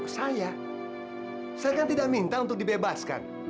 saya saya kan tidak minta untuk dibebaskan